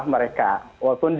di negara yang berada di kota